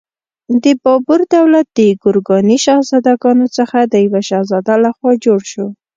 د بابر دولت د ګورکاني شهزادګانو څخه د یوه شهزاده لخوا جوړ شو.